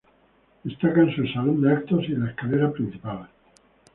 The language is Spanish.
Destacan su salón de actos y la escalera principal.